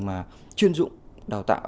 mà chuyên dụng đào tạo